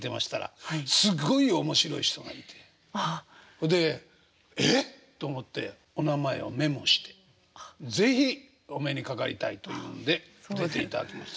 それで「えっ！？」と思ってお名前をメモして是非お目にかかりたいというんで出ていただきました。